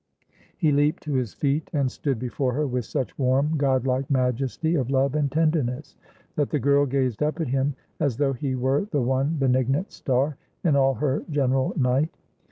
He leaped to his feet, and stood before her with such warm, god like majesty of love and tenderness, that the girl gazed up at him as though he were the one benignant star in all her general night.